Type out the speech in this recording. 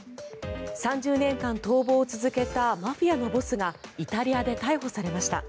３０年間逃亡を続けたマフィアのボスがイタリアで逮捕されました。